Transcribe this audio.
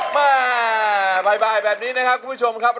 บ่ายแบบนี้นะครับคุณผู้ชมครับ